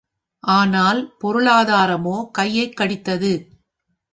ஆனால், பொருளாதாரமோ கையைக் கடித்தது.